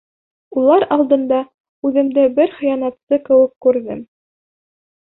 Улар алдында үҙемде бер хыянатсы кеүек күрҙем.